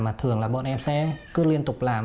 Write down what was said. mà thường là bọn em sẽ cứ liên tục làm